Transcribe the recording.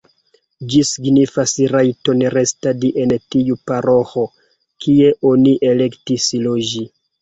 Ĝi signifas rajton restadi en tiu paroĥo, kie oni elektis loĝi.